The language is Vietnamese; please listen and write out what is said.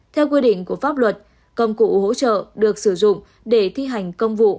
theo quy định của pháp luật công cụ hỗ trợ được sử dụng để thi hành công vụ